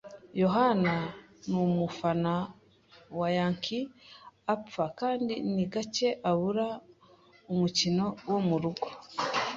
yohani numufana wa Yankees apfa, kandi ni gake abura umukino wo murugo.